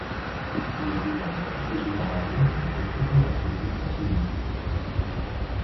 Il est désormais protégé par un mur mais peut toujours être vu facilement.